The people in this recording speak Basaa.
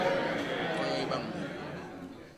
U koyoy bañ me.